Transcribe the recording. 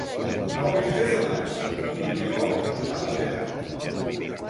El vint-i-tres de maig n'Oriol anirà al teatre.